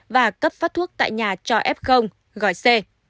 và cấp phát thuốc tại nhà cho f gói c